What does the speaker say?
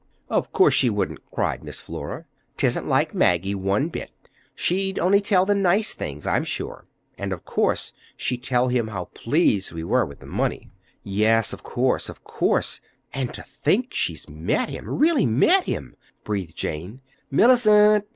"Of course she wouldn't," cried Miss Flora. "'Tisn't like Maggie one bit! She'd only tell the nice things, I'm sure. And, of course, she'd tell him how pleased we were with the money!" "Yes, of course, of course. And to think she's met him—really met him!" breathed Jane. "Mellicent!"